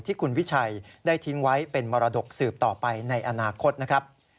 ที่คุณวิชัยได้ทิ้งไว้เป็นมรดกสืบต่อไปในอนาคตนะครับ